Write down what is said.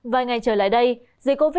vài ngày trở lại đây dịch covid một mươi chín